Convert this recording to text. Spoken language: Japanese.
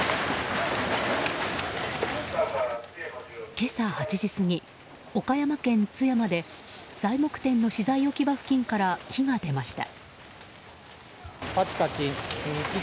今朝８時過ぎ、岡山県津山で材木店の資材置き場付近から火が出ました。